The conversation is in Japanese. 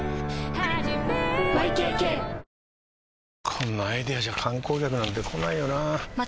こんなアイデアじゃ観光客なんて来ないよなあ